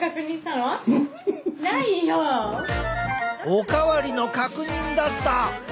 おかわりの確認だった！